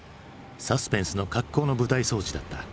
サスペンスの格好の舞台装置だった。